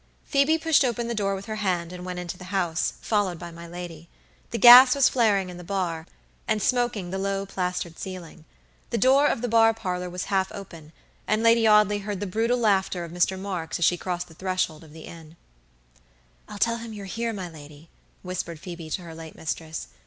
Phoebe pushed open the door with her hand, and went into the house, followed by my lady. The gas was flaring in the bar, and smoking the low plastered ceiling. The door of the bar parlor was half open, and Lady Audley heard the brutal laughter of Mr. Marks as she crossed the threshold of the inn. "I'll tell him you're here, my lady," whispered Phoebe to her late mistress.